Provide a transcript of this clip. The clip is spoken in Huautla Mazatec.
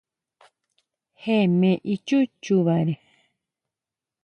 Jee me ichú chubare.